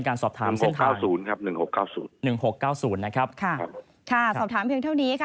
ค่ะสอบถามเพียงเท่านี้ค่ะ